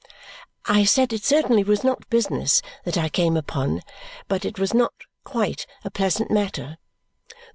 I said it certainly was not business that I came upon, but it was not quite a pleasant matter.